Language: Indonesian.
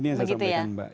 ini yang saya sampaikan mbak